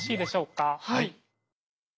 はい。